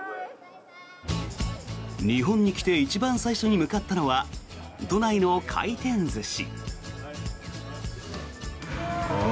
日本に来て一番最初に向かったのは都内の回転寿司。